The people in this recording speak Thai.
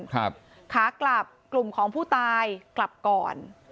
ขากลับกลุ่มของผู้ตายกลับก่อน